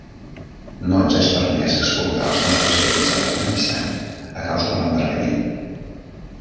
No ens és permès exportar els nostres béns a l'Afganistan a causa de l'embargament.